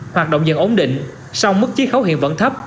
hoạt động dần ổn định song mức chí khấu hiện vẫn thấp